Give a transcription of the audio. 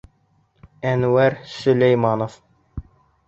Әнүәр СӨЛӘЙМӘНОВ.